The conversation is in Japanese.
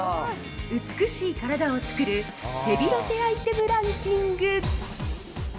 美しい体を作るヘビロテアイテムランキング。